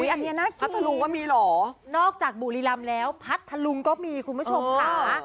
อันนี้นะพัทธลุงก็มีเหรอนอกจากบุรีรำแล้วพัทธลุงก็มีคุณผู้ชมค่ะ